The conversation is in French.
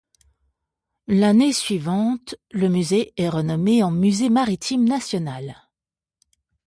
L'année suivante le musée est renommé en musée maritime national.